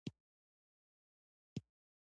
ایا د زیږون دردونه لرئ؟